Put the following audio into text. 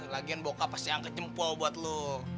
lagian bokap pasti angke cempaw buat lo